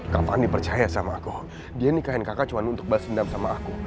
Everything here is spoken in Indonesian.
kak fani percaya sama aku dia nikahin kakak cuma untuk berdendam sama aku